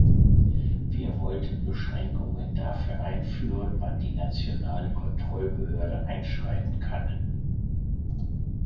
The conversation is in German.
Wir wollten Beschränkungen dafür einführen, wann die nationale Kontrollbehörde einschreiten kann.